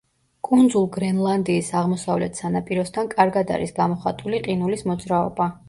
კუნძულ გრენლანდიის აღმოსავლეთ სანაპიროსთან კარგად არის გამოხატული ყინულის მოძრაობა.